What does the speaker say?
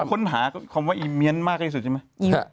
คนหาความว่าอีเมียนมากใกล้สุดใช่ไหม